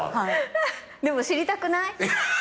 でも知りたくない？